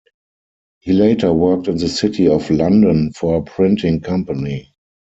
He later worked in the City of London for a printing company.